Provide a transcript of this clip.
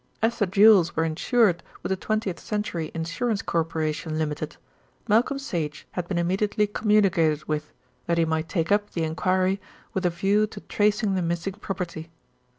As the jewels were insured with the Twentieth Century Insurance Corporation, Ltd., Malcolm Sage had been immediately communicated with, that he might take up the enquiry with a view to tracing the missing property.